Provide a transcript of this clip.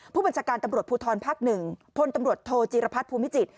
ผู้บัญชาการตำรวจภูทรภาค๑พลตำรวจโทจีรพัฒน์ภูมิจิต